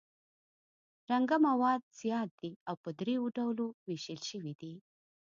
رنګه مواد زیات دي او په دریو ډولو ویشل شوي دي.